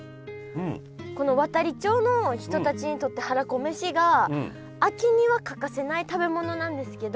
この亘理町の人たちにとってはらこめしが秋には欠かせない食べ物なんですけど。